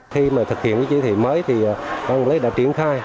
khi mà thực hiện cái chỉ thị mới thì hoàng lê đã triển khai